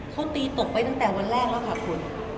เขาตีตกไปตั้งแต่วันแรกแล้วค่ะคุณ